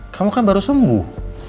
kamu kan baru sembuh